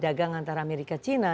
dagang antara amerika china